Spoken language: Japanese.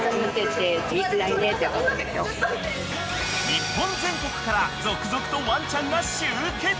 ［日本全国から続々とワンちゃんが集結］